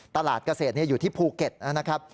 ตลาดเกษตรอยู่ที่ภูเก็ตนะครับ